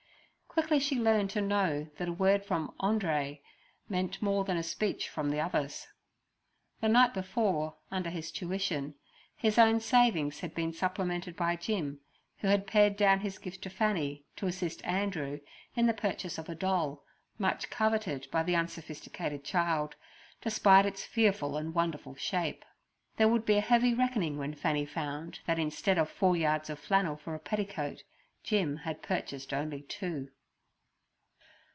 Quickly she learned to know that a word from 'Andree' meant more than a speech from the others. The night before, under his tuition, his own savings had been supplemented by Jim, who had pared down his gift to Fanny, to assist Andrew in the purchase of a doll, much coveted by the unsophisticated child, despite its fearful and wonderful shape. There would be a heavy reckoning when Fanny found that instead of four yards of flannel for a petticoat Jim had purchased only two.